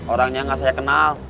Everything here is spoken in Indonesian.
orangnya gak saya kenal